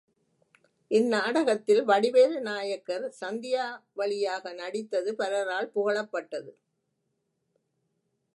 இந் நாடகத்தில் வடிவேலு நாயக்கர், சந்தியாவளியாக நடித்தது பலரால் புகழப்பட்டது.